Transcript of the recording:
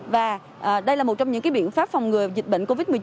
và đây là một trong những biện pháp phòng ngừa dịch bệnh covid một mươi chín